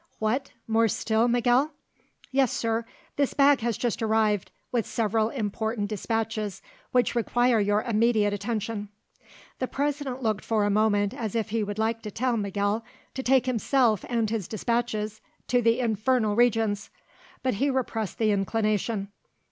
What, more still, Miguel?" "Yes, Sir; this bag has just arrived, with several important despatches which require your immediate attention." The President looked for a moment as if he would like to tell Miguel to take himself and his despatches to the infernal regions; but he repressed the inclination.